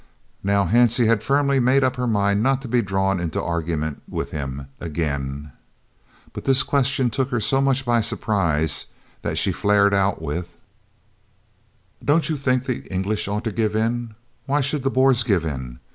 Now, Hansie had firmly made up her mind not to be drawn into argument with him again, but this question took her so much by surprise that she flared out with: "Don't you think the English ought to give in? Why should the Boers give in?